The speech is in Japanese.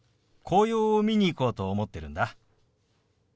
紅葉を見に行こうと思ってるんだ。